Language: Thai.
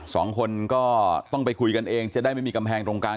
สองคนก็ต้องไปคุยกันเองจะได้ไม่มีกำแพงตรงกลาง